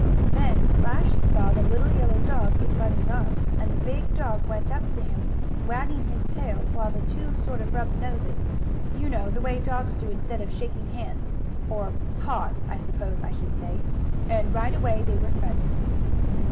Then Splash saw the little yellow dog in Bunny's arms, and the big dog went up to him, wagging his tail, while the two sort of rubbed noses you know the way dogs do instead of shaking hands, or paws, I suppose I should say, and right away they were friends.